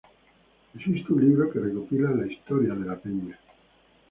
Existe un libro que recopila la historia de la peña.